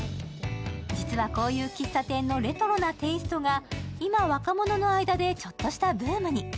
実はこういう喫茶店のレトロなテイストが今、若者の間でちょっとしたブームに。